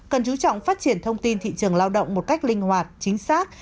cần chú trọng phát triển thông tin thị trường lao động một cách linh hoạt chính xác